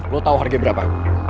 lo tau harga berapa